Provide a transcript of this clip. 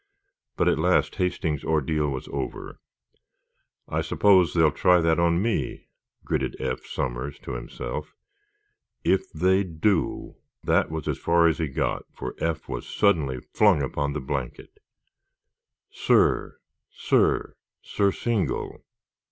But at last Hastings's ordeal was over. "I suppose they'll try that on me!" gritted Eph Somers to himself. "If they do—" That was far as he got, for Eph was suddenly flung upon the blanket. Sir, sir, surcingle!